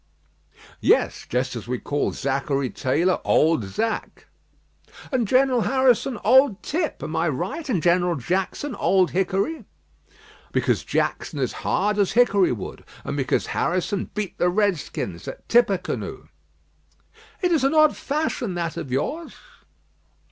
"Yes; just as we call Zachary Taylor 'Old Zach.'" "And General Harrison, 'Old Tip;' am I right? and General Jackson, 'Old Hickory?'" "Because Jackson is hard as hickory wood; and because Harrison beat the redskins at Tippecanoe." "It is an odd fashion that of yours."